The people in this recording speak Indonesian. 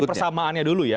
jadi persamaannya dulu ya